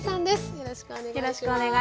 よろしくお願いします。